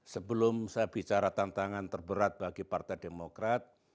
sebelum saya bicara tantangan terberat bagi partai demokrat